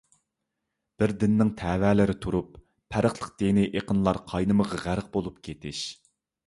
بىر دىننىڭ تەۋەلىرى تۇرۇپ پەرقلىق دىنىي ئېقىنلار قاينىمىغا غەرق بولۇپ كېتىش.